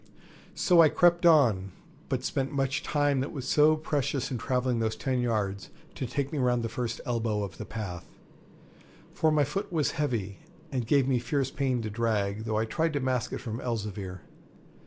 So I crept on, but spent much time that was so precious in travelling those ten yards to take me round the first elbow of the path; for my foot was heavy and gave me fierce pain to drag, though I tried to mask it from Elzevir.